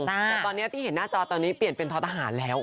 แต่ตอนนี้ที่เห็นหน้าจอตอนนี้เปลี่ยนเป็นท้อทหารแล้ว